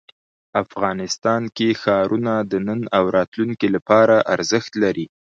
افغانستان کې ښارونه د نن او راتلونکي لپاره ارزښت لري.